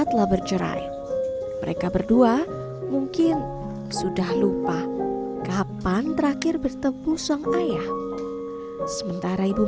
telah bercerai mereka berdua mungkin sudah lupa kapan terakhir bertemu sang ayah sementara ibu